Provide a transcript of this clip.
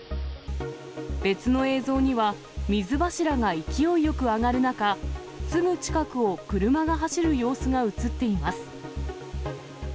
別の映像には、水柱が勢いよく上がる中、すぐ近くを車が走る様子が映っています。